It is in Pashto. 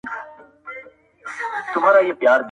گرد د مخونو هم پاكيږي د بــاران پــه اوبـــو.